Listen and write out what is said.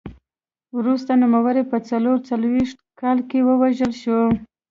وروسته نوموړی په څلور څلوېښت کال کې ووژل شو